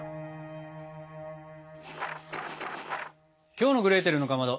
きょうの「グレーテルのかまど」